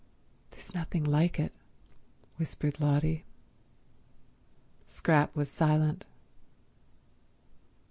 "There's nothing like it," whispered Lotty. Scrap was silent.